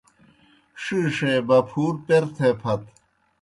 ݜِیݜے بپُھور پیر تھے پھت۔